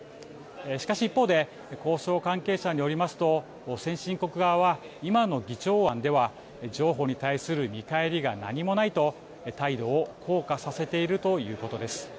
しかし、一方で、交渉関係者によりますと、先進国側は今の議長案では譲歩に対する見返りが何もないと、態度を硬化させているということです。